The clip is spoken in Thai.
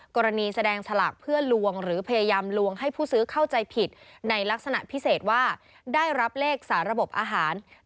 กรณีแสดงฉลากเพื่อลวงหรือพยายามลวงให้ผู้ซื้อเข้าใจผิดในลักษณะพิเศษว่า